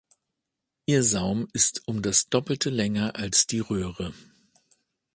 Ihr Saum ist um das Doppelte länger als die Röhre.